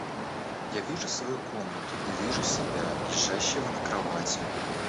Я вижу свою комнату и вижу себя, лежащего на кровати.